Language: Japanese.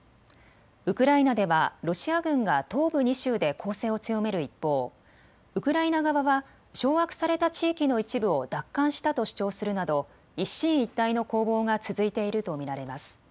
ウクライナではロシア軍が東部２州で攻勢を強める一方ウクライナ側は掌握された地域の一部を奪還したと主張するなど一進一退の攻防が続いていると見られます。